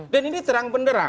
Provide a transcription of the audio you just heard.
dan ini terang benderang